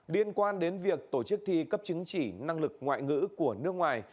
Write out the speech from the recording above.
liên quan đến việc tổ chức thi cấp chứng chỉ năng lực ngoại ngữ của nước ngoài